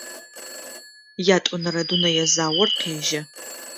Ятӏонэрэ дунэе заор къежьэ.